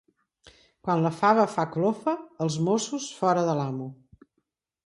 Quan la fava fa clofa, els mossos fora de l'amo.